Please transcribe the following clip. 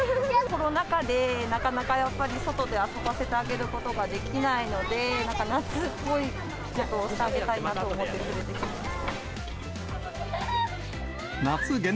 コロナ禍で、なかなかやっぱり、外で遊ばせてあげることができないので、夏っぽいことをしてあげたいなと思って連れてきました。